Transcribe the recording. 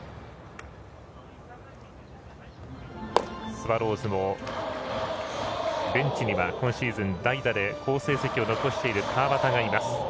スワローズのベンチには今シーズン、代打で好成績を残している川端がいます。